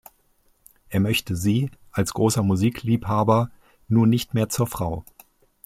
Er möchte sie, als großer Musikliebhaber nun nicht mehr zur Frau.